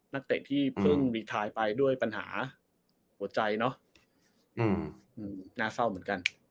นักเตะที่เพิ่งมีทายไปด้วยปัญหาหัวใจเนอะน่าเศร้าเหมือนกัน